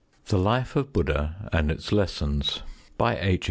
15 The Life of Buddha and Its Lessons BY H.